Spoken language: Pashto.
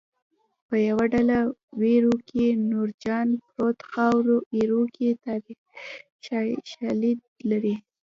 په یوه ډله وریرو کې نورجان پروت خاورو ایرو کې تاریخي شالید لري